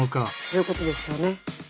そういうことですよね。